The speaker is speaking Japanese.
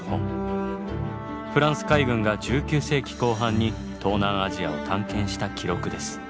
フランス海軍が１９世紀後半に東南アジアを探検した記録です。